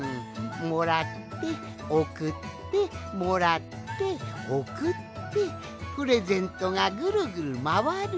もらっておくってもらっておくってプレゼントがぐるぐるまわる。